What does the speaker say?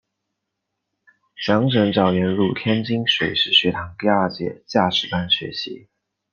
蒋拯早年入天津水师学堂第二届驾驶班学习。